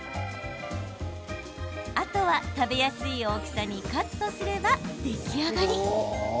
あとは、食べやすい大きさにカットすれば、出来上がり。